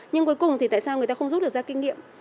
nhưng cuối cùng thì tại sao người ta không rút được ra kinh nghiệm